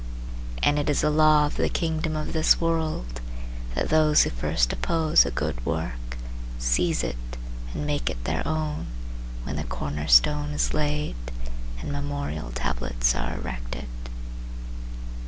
And it is a law of the Kingdom of this World That those who first oppose a good work Seize it and make it their own, When the corner—stone is laid, And memorial tablets are erected.